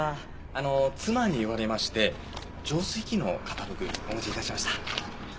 あの妻に言われまして浄水器のカタログお持ち致しました。